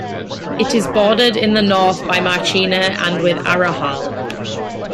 It is bordered in the north by Marchena and with Arahal.